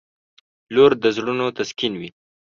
• لور د زړونو تسکین وي.